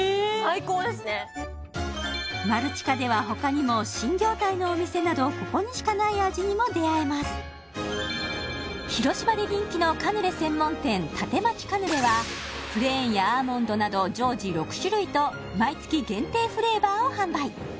マルチカでは他にも新業態のお店などここにしかない味にも出会えます広島で人気のカヌレ専門店立町カヌレはプレーンやアーモンドなど常時６種類と毎月限定フレーバーを販売